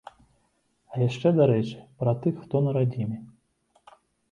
А яшчэ, дарэчы, пра тых, хто на радзіме.